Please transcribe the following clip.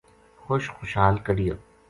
خوش خُشحال کَڈہیو